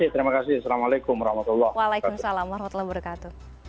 terima kasih assalamualaikum wr wb